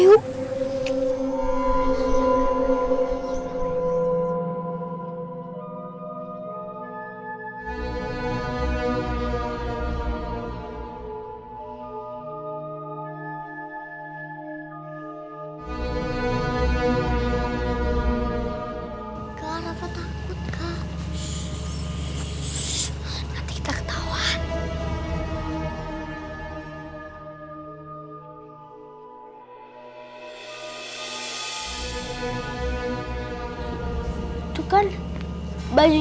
hai ten cor dapat select